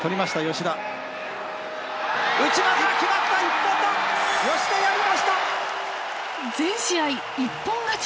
吉田やりました！